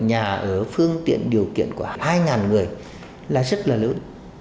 nhà ở phương tiện điều kiện của hai người là rất là lớn